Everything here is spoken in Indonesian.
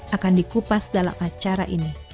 akan dikupas dalam acara ini